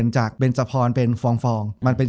จบการโรงแรมจบการโรงแรม